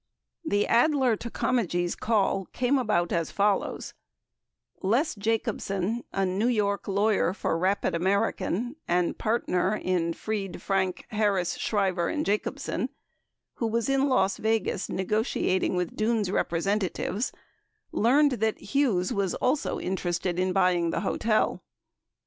The Adler to Comegys call came about as follows: Les Jacobsen, a New York lawyer for Rapid American and partner in Fried, Frank, Harris, Shriver & Jacobsen, who was in Las Vegas negotiating with Dunes representatives, 24 learned that Hughes was also interested in buying the hotel.